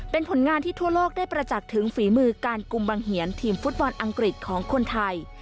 เป็นผลงานที่ทั่วโลกได้ประจักษ์ถึงฝีมือการกุมบังเหียนทีมฟุตบอลอังกฤษของคนไทย